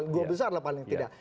dua besar lah paling tidak